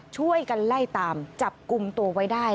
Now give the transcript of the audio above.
ช่วยกันไล่ตามจับกลุ่มตัวไว้ได้